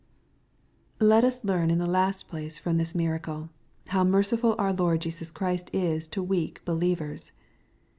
Let us learn, in the last place, from this miracle, how merciful our Lord Jesus Christ is to weak believers.